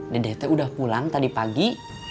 dedek teh sudah pulang tadi pagi